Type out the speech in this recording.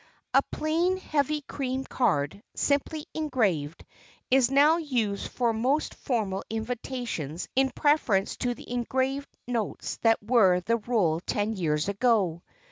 A plain, heavy cream card, simply engraved, is now used for most formal invitations in preference to the engraved notes that were the rule ten years ago.